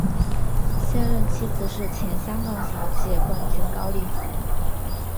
现任妻子是前香港小姐冠军高丽虹。